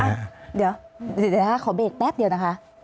อ้าวเดี๋ยวขอเบรกแป๊บเดียวนะคะ